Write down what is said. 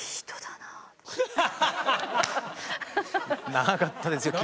長かったですね。